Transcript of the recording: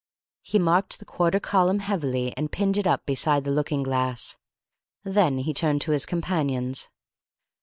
He marked the quarter column heavily, and pinned it up beside the looking glass. Then he turned to his companions.